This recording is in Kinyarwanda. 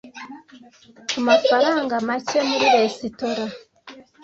kumafaranga make muri resitora.